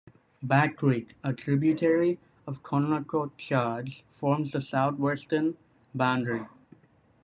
Back Creek, a tributary of Conococheague, forms the southwestern boundary.